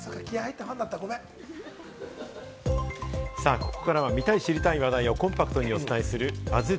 ここからは見たい、知りたい話題をコンパクトにお伝えするＢＵＺＺ